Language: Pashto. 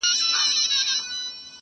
د خيال غزل بۀ هم صنمه پۀ رو رو غږېدو-